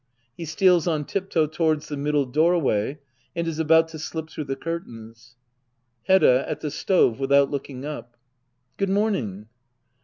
He steals on tiptoe towards the middle doorway and is about to slip through the curtains. Hedda. [At the stove, without looking up.] Good morning.